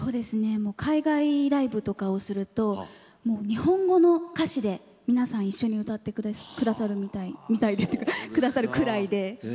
もう海外ライブとかをすると日本語の歌詞で皆さん一緒に歌ってくださるみたいでみたいでというかくださるくらいで。